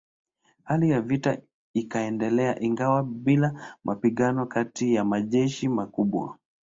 Hali ya vita ikaendelea ingawa bila mapigano kati ya majeshi makubwa.